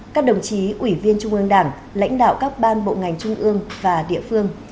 các đồng chí ủy viên trung ương đảng lãnh đạo các ban bộ ngành trung ương và địa phương